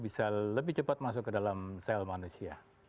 bisa lebih cepat masuk ke dalam sel manusia